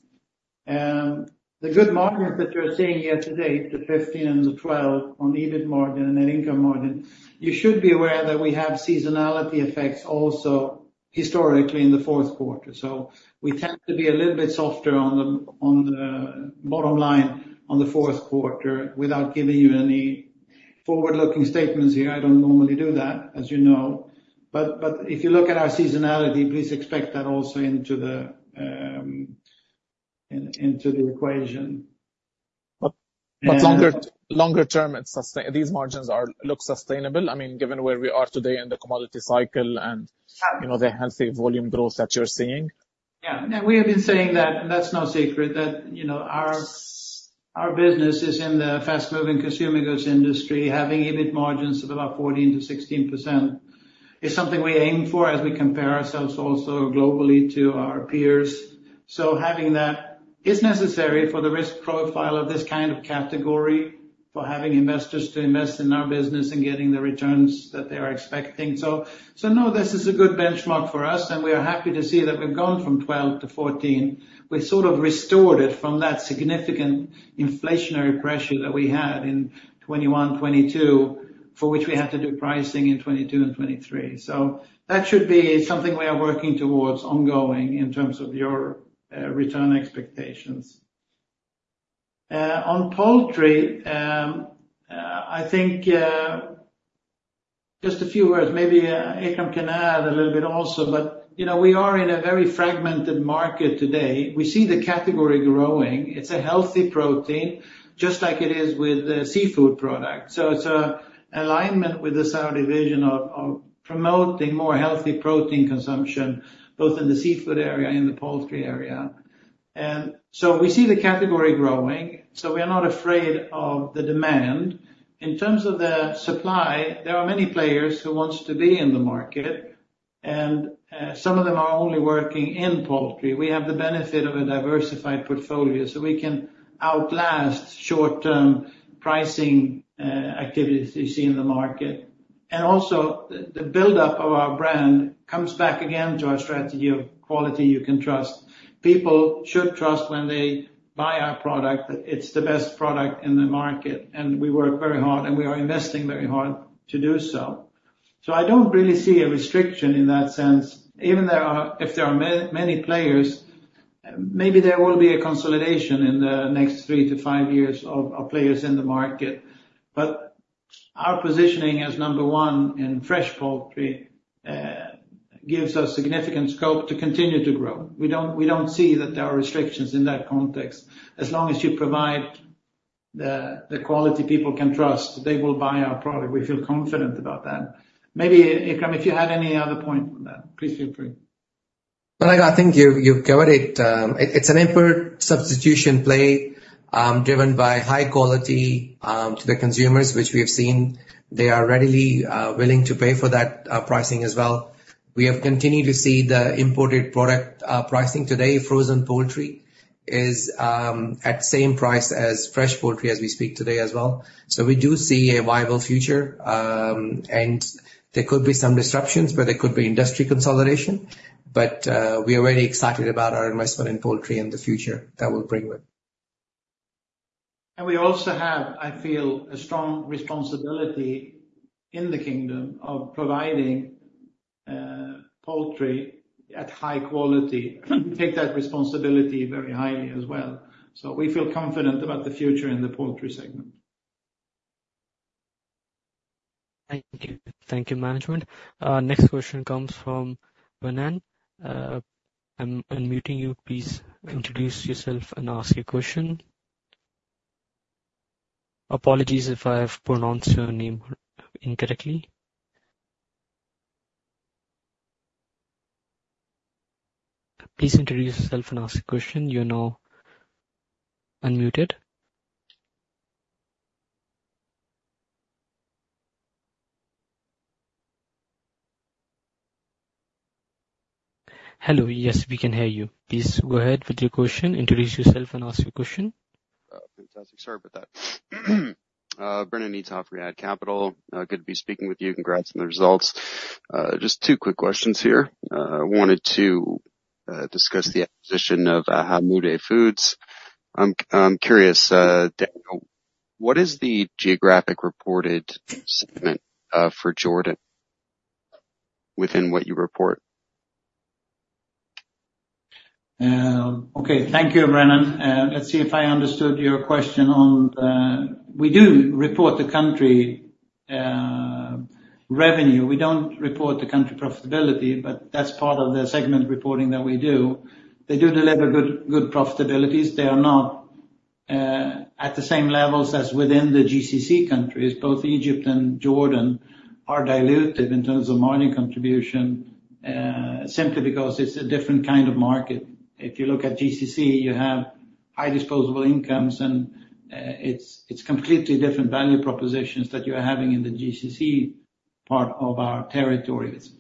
The good margins that you're seeing here today, the 15% and the 12% on EBIT margin and net income margin, you should be aware that we have seasonality effects also historically in the fourth quarter. So we tend to be a little bit softer on the bottom line in the fourth quarter, without giving you any forward-looking statements here. I don't normally do that, as you know. But if you look at our seasonality, please expect that also into the equation. But longer term, it's sustainable. These margins are, look, sustainable, I mean, given where we are today in the commodity cycle and- Yeah. You know, the healthy volume growth that you're seeing? Yeah, and we have been saying that, and that's no secret, that, you know, our, our business is in the fast-moving consumer goods industry. Having EBIT margins of about 14-16% is something we aim for as we compare ourselves also globally to our peers. So having that is necessary for the risk profile of this kind of category, for having investors to invest in our business and getting the returns that they are expecting. So, so no, this is a good benchmark for us, and we are happy to see that we've gone from 12-14%. We've sort of restored it from that significant inflationary pressure that we had in 2021, 2022, for which we had to do pricing in 2022 and 2023. So that should be something we are working towards ongoing in terms of your return expectations. On poultry, I think just a few words, maybe Ikram can add a little bit also, but you know, we are in a very fragmented market today. We see the category growing. It's a healthy protein, just like it is with a seafood product. So it's an alignment with the Saudi vision of promoting more healthy protein consumption, both in the seafood area and the poultry area. And so we see the category growing, so we are not afraid of the demand. In terms of the supply, there are many players who wants to be in the market, and some of them are only working in poultry. We have the benefit of a diversified portfolio, so we can outlast short-term pricing activities you see in the market. And also, the buildup of our brand comes back again to our strategy of quality you can trust. People should trust when they buy our product, that it's the best product in the market, and we work very hard, and we are investing very hard to do so. So I don't really see a restriction in that sense. Even if there are many players, maybe there will be a consolidation in the next three to five years of players in the market. But our positioning as number one in fresh poultry gives us significant scope to continue to grow. We don't see that there are restrictions in that context. As long as you provide the quality people can trust, they will buy our product. We feel confident about that. Maybe, Ikram, if you had any other point on that, please feel free. I think you covered it. It's an import substitution play, driven by high quality to the consumers, which we have seen. They are readily willing to pay for that pricing as well. We have continued to see the imported product pricing. Today, frozen poultry is at the same price as fresh poultry as we speak today as well. We do see a viable future, and there could be some disruptions, but there could be industry consolidation. We are very excited about our investment in poultry and the future that will bring with. And we also have, I feel, a strong responsibility in the Kingdom of providing poultry at high quality. We take that responsibility very highly as well. So we feel confident about the future in the poultry segment. Thank you. Thank you, management. Next question comes from Brennan. I'm unmuting you. Please introduce yourself and ask your question. Apologies if I have pronounced your name incorrectly. Please introduce yourself and ask a question. You're now unmuted. Hello, yes, we can hear you. Please go ahead with your question, introduce yourself, and ask your question. Fantastic. Sorry about that. Brennan Itoff, Riyad Capital. Good to be speaking with you. Congrats on the results. Just two quick questions here. I wanted to discuss the acquisition of Hammoudeh Foods. I'm curious what is the geographic reported segment for Jordan within what you report? Okay. Thank you, Brennan. Let's see if I understood your question on the... We do report the country revenue. We don't report the country profitability, but that's part of the segment reporting that we do. They do deliver good profitabilities. They are not at the same levels as within the GCC countries. Both Egypt and Jordan are diluted in terms of margin contribution, simply because it's a different kind of market. If you look at GCC, you have high disposable incomes, and it's completely different value propositions that you're having in the GCC part of our territories.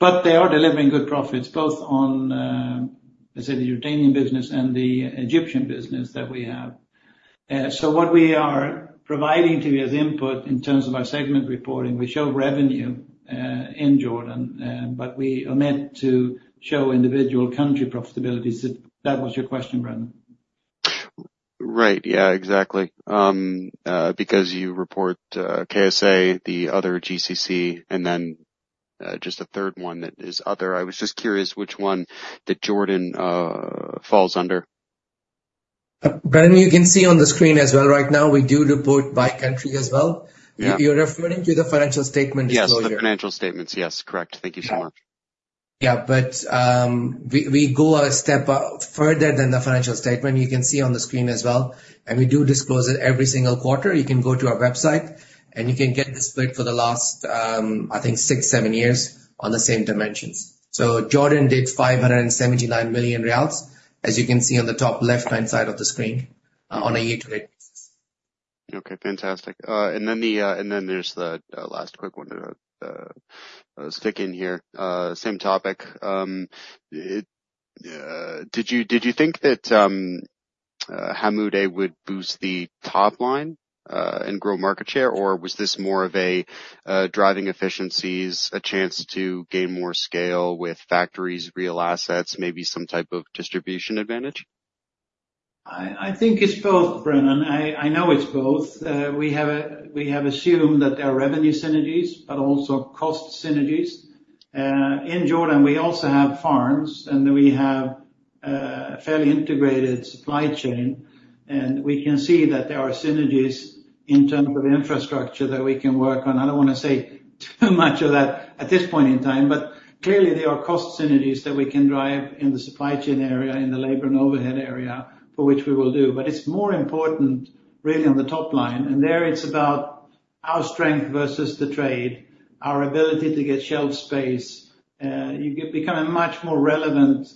But they are delivering good profits, both on, let's say, the Jordanian business and the Egyptian business that we have. So what we are providing to you as input in terms of our segment reporting, we show revenue in Jordan, but we omit to show individual country profitabilities. Is it? That was your question, Brennan? Right. Yeah, exactly. Because you report KSA, the other GCC, and then just a third one that is other. I was just curious which one that Jordan falls under. Brennan, you can see on the screen as well right now, we do report by country as well. Yeah. You're referring to the financial statement disclosure? Yes, the financial statements. Yes, correct. Thank you so much. Yeah, but, we go a step further than the financial statement. You can see on the screen as well, and we do disclose it every single quarter. You can go to our website, and you can get the split for the last, I think six, seven years on the same dimensions. So Jordan did 579 million riyals, as you can see on the top left-hand side of the screen, on a year-to-date basis. Okay, fantastic. There's the last quick one to stick in here. Same topic. Did you think that Hammoudeh would boost the top line and grow market share? Or was this more of a driving efficiencies, a chance to gain more scale with factories, real assets, maybe some type of distribution advantage? I think it's both, Brennan. I know it's both. We have assumed that there are revenue synergies, but also cost synergies. In Jordan, we also have farms, and we have a fairly integrated supply chain, and we can see that there are synergies in terms of infrastructure that we can work on. I don't wanna say too much of that at this point in time, but clearly, there are cost synergies that we can drive in the supply chain area, in the labor and overhead area, for which we will do. But it's more important, really, on the top line, and there it's about our strength versus the trade, our ability to get shelf space. You become a much more relevant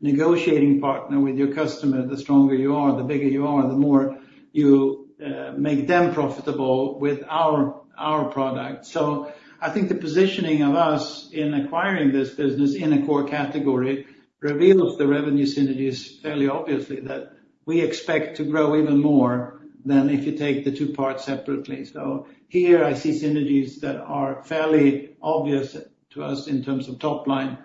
negotiating partner with your customer. The stronger you are, the bigger you are, the more you make them profitable with our product. So I think the positioning of us in acquiring this business in a core category reveals the revenue synergies fairly obviously, that we expect to grow even more than if you take the two parts separately. So here I see synergies that are fairly obvious to us in terms of top line,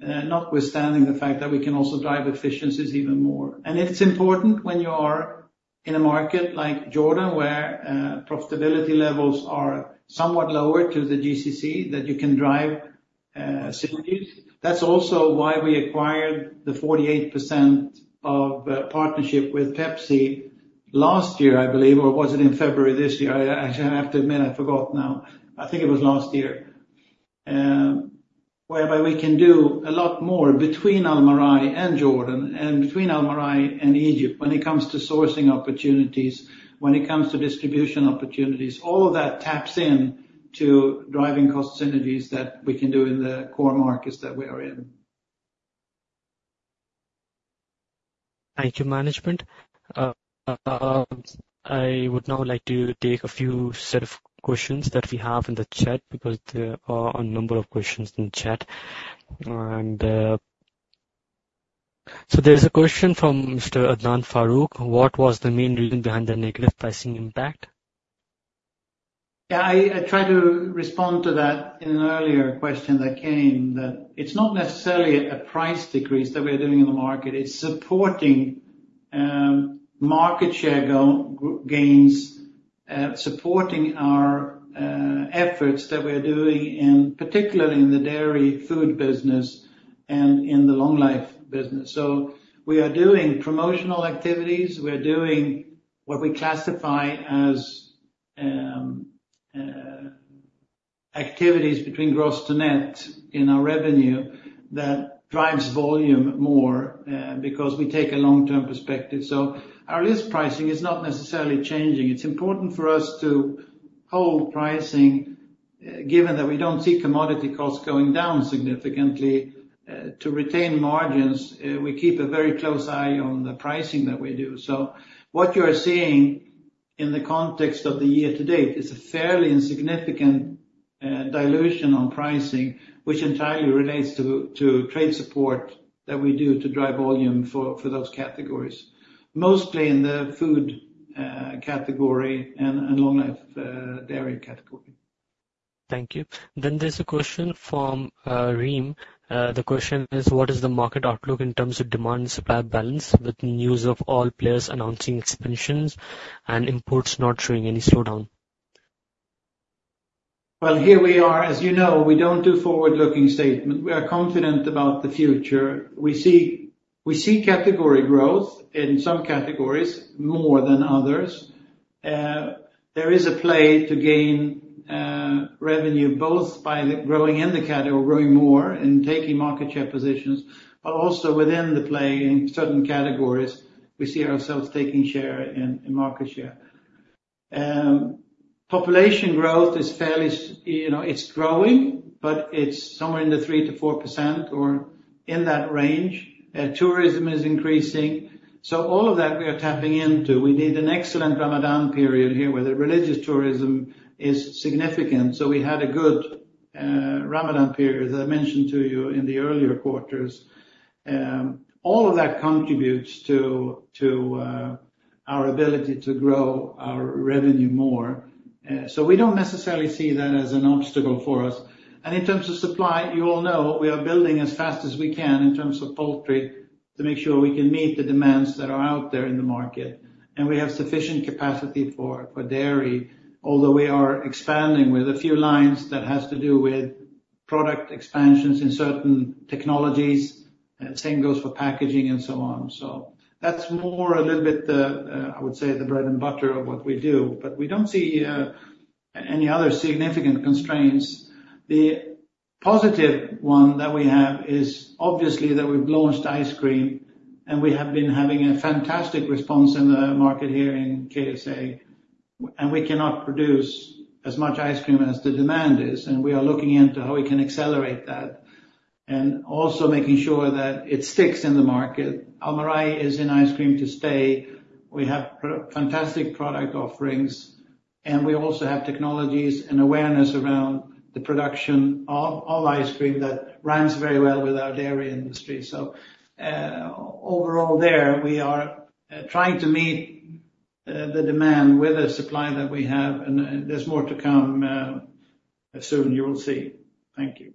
notwithstanding the fact that we can also drive efficiencies even more, and it's important when you are in a market like Jordan, where profitability levels are somewhat lower to the GCC, that you can drive synergies. That's also why we acquired the 48% of partnership with Pepsi last year, I believe, or was it in February this year? Actually, I have to admit, I forgot now. I think it was last year. Whereby we can do a lot more between Almarai and Jordan and between Almarai and Egypt when it comes to sourcing opportunities, when it comes to distribution opportunities. All of that taps in to driving cost synergies that we can do in the core markets that we are in. Thank you, management. I would now like to take a few set of questions that we have in the chat, because there are a number of questions in the chat, and so there's a question from Mr. Adnan Farouk: What was the main reason behind the negative pricing impact? Yeah, I tried to respond to that in an earlier question that came, that it's not necessarily a price decrease that we are doing in the market. It's supporting market share gains, supporting our efforts that we are doing in, particularly in the dairy food business and in the long life business. So we are doing promotional activities. We're doing what we classify as activities between gross to net in our revenue that drives volume more, because we take a long-term perspective. So our list pricing is not necessarily changing. It's important for us to hold pricing, given that we don't see commodity costs going down significantly, to retain margins, we keep a very close eye on the pricing that we do. So what you are seeing in the context of the year-to-date is a fairly insignificant dilution on pricing, which entirely relates to trade support that we do to drive volume for those categories. Mostly in the food category and long-life dairy category. Thank you. Then there's a question from, Rim. The question is: What is the market outlook in terms of demand and supply balance, with news of all players announcing expansions and imports not showing any slowdown? Here we are. As you know, we don't do forward-looking statement. We are confident about the future. We see category growth in some categories more than others. There is a play to gain revenue both by growing in the category or growing more and taking market share positions, but also within the play in certain categories, we see ourselves taking share in market share. Population growth is fairly. You know, it's growing, but it's somewhere in the 3%-4% or in that range. Tourism is increasing. So all of that we are tapping into. We need an excellent Ramadan period here, where the religious tourism is significant. So we had a good Ramadan period, as I mentioned to you in the earlier quarters. All of that contributes to our ability to grow our revenue more. So we don't necessarily see that as an obstacle for us. And in terms of supply, you all know, we are building as fast as we can in terms of poultry, to make sure we can meet the demands that are out there in the market, and we have sufficient capacity for dairy, although we are expanding with a few lines that has to do with product expansions in certain technologies, same goes for packaging and so on. So that's more a little bit, I would say, the bread and butter of what we do, but we don't see any other significant constraints. The positive one that we have is obviously that we've launched ice cream, and we have been having a fantastic response in the market here in KSA, and we cannot produce as much ice cream as the demand is, and we are looking into how we can accelerate that, and also making sure that it sticks in the market. Almarai is in ice cream to stay. We have fantastic product offerings, and we also have technologies and awareness around the production of all ice cream that rhymes very well with our dairy industry. So, overall there, we are trying to meet the demand with the supply that we have, and there's more to come, soon you will see. Thank you.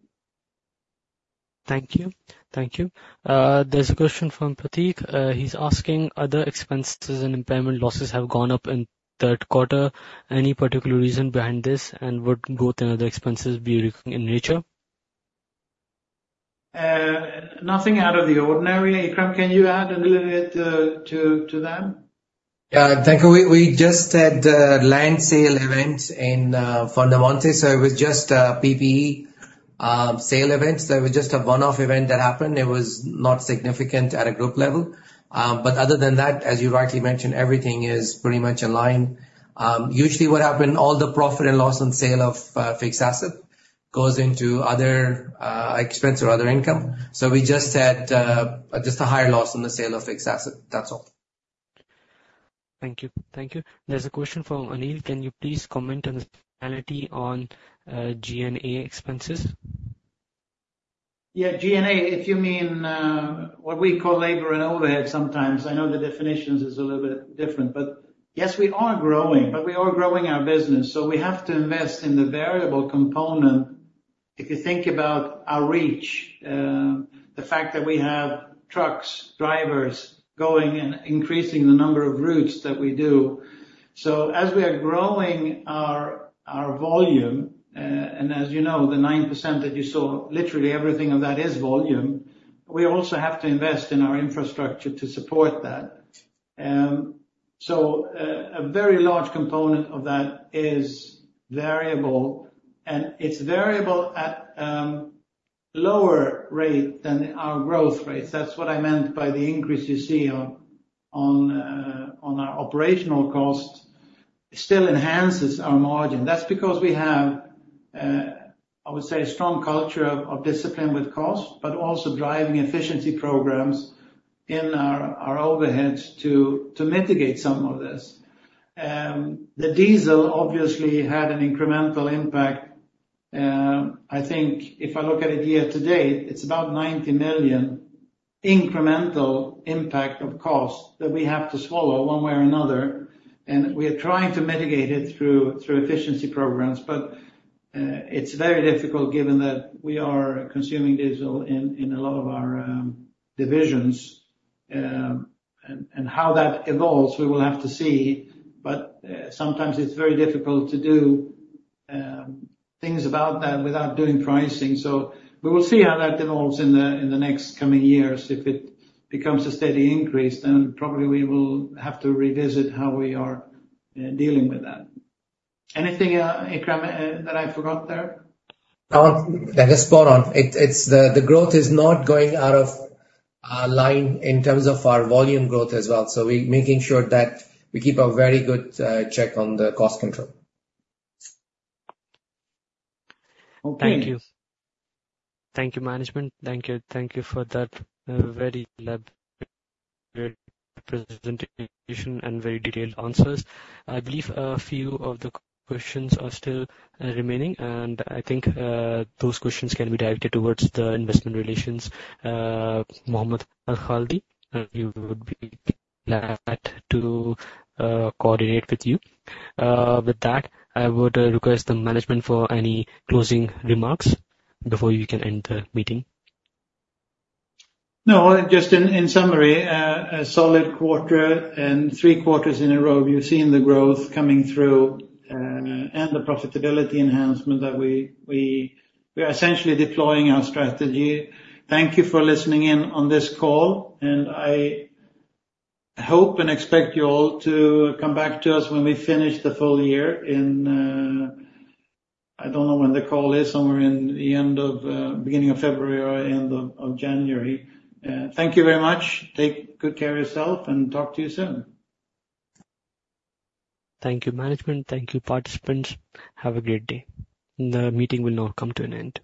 Thank you. Thank you. There's a question from Pratik. He's asking: Other expenses and impairment losses have gone up in third quarter. Any particular reason behind this? And would both other expenses be recurring in nature? Nothing out of the ordinary. Ikram, can you add a little bit to that? Yeah. Thank you. We just had a land sale event in Fondomonte, so it was just a PPE sale event. So it was just a one-off event that happened. It was not significant at a group level. But other than that, as you rightly mentioned, everything is pretty much in line. Usually what happen, all the profit and loss on sale of fixed asset goes into other expense or other income. So we just had just a higher loss on the sale of fixed asset. That's all. Thank you. Thank you. There's a question from Anil: Can you please comment on the totality on G&A expenses? Yeah, G&A, if you mean what we call labor and overhead sometimes, I know the definitions is a little bit different. But yes, we are growing, but we are growing our business, so we have to invest in the variable component. If you think about our reach, the fact that we have trucks, drivers, going and increasing the number of routes that we do. So as we are growing our volume, and as you know, the 9% that you saw, literally everything of that is volume. We also have to invest in our infrastructure to support that. So, a very large component of that is variable, and it's variable at lower rate than our growth rates. That's what I meant by the increase you see on our operational costs. It still enhances our margin. That's because we have, I would say, a strong culture of discipline with cost, but also driving efficiency programs in our overheads to mitigate some of this. The diesel obviously had an incremental impact. I think if I look at it year to date, it's about 90 million incremental impact of cost that we have to swallow one way or another, and we are trying to mitigate it through efficiency programs, but it's very difficult given that we are consuming diesel in a lot of our divisions. And how that evolves, we will have to see, but sometimes it's very difficult to do things about that without doing pricing. So we will see how that evolves in the next coming years. If it becomes a steady increase, then probably we will have to revisit how we are, dealing with that. Anything, Ikram, that I forgot there? That is spot on. It's the growth is not going out of our line in terms of our volume growth as well. So we're making sure that we keep a very good check on the cost control. Okay. Thank you. Thank you, management. Thank you. Thank you for that, very elaborate presentation and very detailed answers. I believe a few of the questions are still, remaining, and I think, those questions can be directed towards the Investor Relations, Mohammed Al Khaldi, he would be glad to, coordinate with you. With that, I would request the management for any closing remarks before you can end the meeting. No, just in summary, a solid quarter and three quarters in a row, we've seen the growth coming through, and the profitability enhancement that we... We are essentially deploying our strategy. Thank you for listening in on this call, and I hope and expect you all to come back to us when we finish the full year in... I don't know when the call is, somewhere in the end of beginning of February or end of January. Thank you very much. Take good care of yourself, and talk to you soon. Thank you, management. Thank you, participants. Have a great day. The meeting will now come to an end.